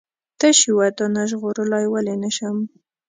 تش یوه دانه ژغورلای ولې نه شم؟